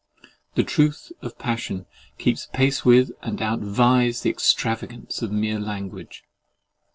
The truth of passion keeps pace with and outvies the extravagance of mere language.